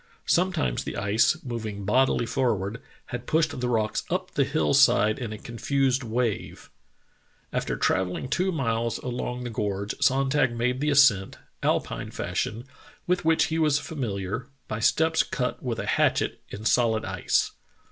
Sometimes the ice, moving bodily forward, had pushed the rocks up the hill side in a * See map on page 95. Sonntag's Fatal Sledge Journey 159 confused wave. After travelling two miles along the gorge Sonntag made the ascent, Alpine fashion, with which he was familiar, by steps cut with a hatchet in solid ice."